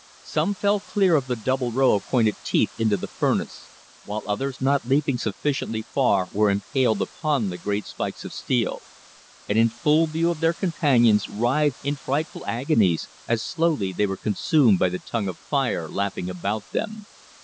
Some fell clear of the double row of pointed teeth into the furnace, while others not leaping sufficiently far were impaled upon the great spikes of steel, and in full view of their companions writhed in frightful agonies, as slowly they were consumed by the tongue of fire lapping about them.